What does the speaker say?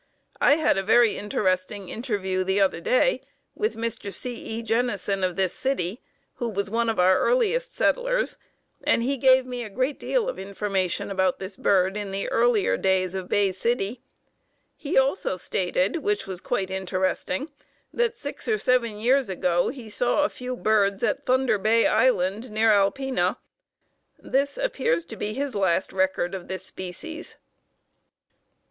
I had a very interesting interview the other day with Mr. C. E. Jennison of this city, who was one of our earliest settlers, and he gave me a great deal of information about this bird in the earlier days of Bay City. He also stated, which was quite interesting, that six or seven years ago he saw a few birds at Thunder Bay Island, near Alpena. This appears to be his last record of this species.